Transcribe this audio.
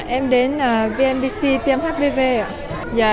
em đến vnvc tiêm hpv